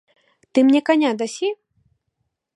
Ты мне каня дасі?